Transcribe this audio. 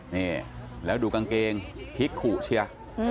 นี่แล้วดูกางเกงพลิกขู่เชียร์